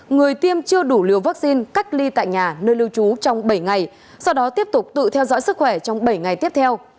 người tiêm chưa đủ liều vaccine cách ly tại nhà nơi lưu trú trong bảy ngày sau đó tiếp tục tự theo dõi sức khỏe trong bảy ngày tiếp theo